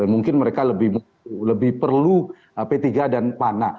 mungkin mereka lebih perlu p tiga dan pan